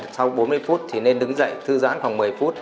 sau bốn mươi phút thì nên đứng dậy thư giãn khoảng một mươi phút